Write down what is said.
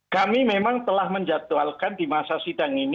kami memang telah menjatuhalkan di masa sidang ini